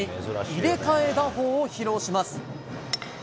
入れ替え打法を披露します。